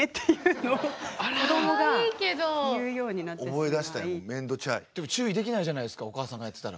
でついにこの間は注意できないじゃないですかお母さんがやってたら。